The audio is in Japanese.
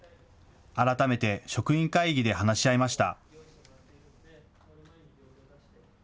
改めて職員会議で話し合いました。